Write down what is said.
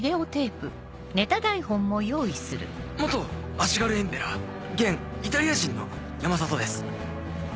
「足軽エンペラー現『イタリア人』の山里です」。